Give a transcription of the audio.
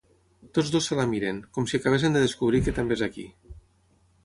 Tots dos se la miren, com si acabessin de descobrir que també és aquí.